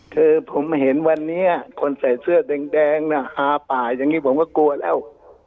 คือผมเห็นวันนี้คนใส่เสื้อแดงน่ะฮาป่าอย่างนี้ผมก็กลัวแล้ว